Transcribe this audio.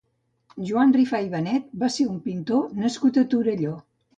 Joan Rifà i Benet va ser un pintor nascut a Torelló.